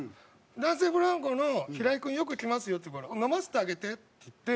「男性ブランコの平井君よく来ますよ」って言うから「飲ませてあげて」って言って。